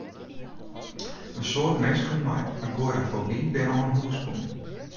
In soad minsken mei agorafoby binne oan hûs bûn.